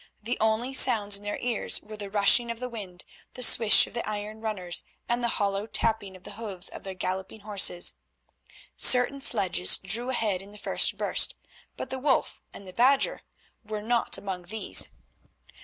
The only sounds in their ears were the rushing of the wind, the swish of the iron runners, and the hollow tapping of the hooves of their galloping horses. Certain sledges drew ahead in the first burst, but the Wolf and the Badger were not among these.